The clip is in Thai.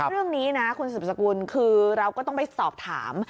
เรื่องนี้นะคุณสืบสกุลคือเราก็ต้องไปสอบถาม